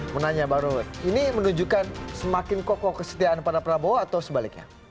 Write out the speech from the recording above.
menanya bang roy ini menunjukkan semakin kokoh kesetiaan pada prabowo atau sebaliknya